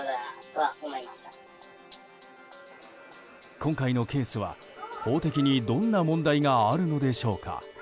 今回のケースは法的にどんな問題があるのでしょうか。